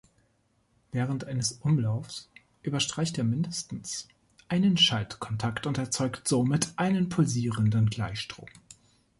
Während eines Umlaufs überstreicht er mindestens einen Schaltkontakt und erzeugt somit einen pulsierenden Gleichstrom.